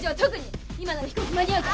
今なら飛行機間に合うから。